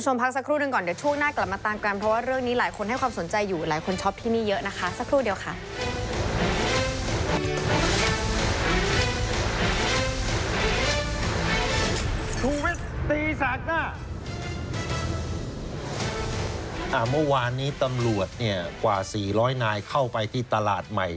เมื่อวานนี้ตำรวจกว่า๔๐๐นายเข้าไปที่ตลาดใหม่